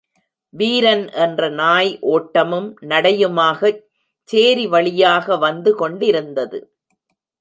வீரன் என்ற நாய் ஓட்டமும் நடையுமாகச் சேரி வழியாக வந்து கொண்டிருந்தது.